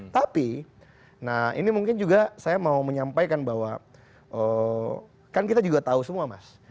tapi nah ini mungkin juga saya mau menyampaikan bahwa kan kita juga tahu semua mas